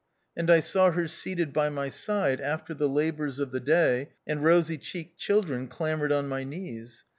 And I saw her seated by my side after the labours of the day, and rosy cheeked children clambered on my knees.